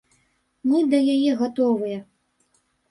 Мы да яе гатовыя.